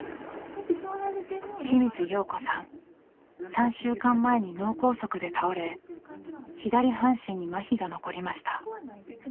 ３週間前に脳梗塞で倒れ左半身にまひが残りました。